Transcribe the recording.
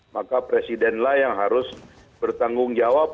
maka presidenlah yang harus bertanggung jawab